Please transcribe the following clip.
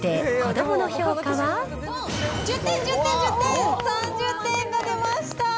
１０点、１０点、１０点、３０点が出ました！